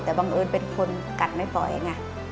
แต่บังเอิญเป็นคนกัดไม่ปล่อยไง